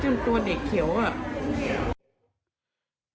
จนตัวเด็กเขียว